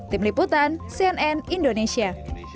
tim liputan cnn indonesia